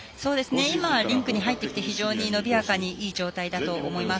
今、リンクに入ってきて伸びやかにいい状態だと思います。